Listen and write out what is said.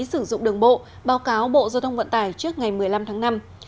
sử dụng đường bộ báo cáo bộ giao thông vận tải trước ngày một mươi năm tháng năm